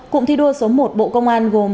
cụm thi đua số một bộ công an gồm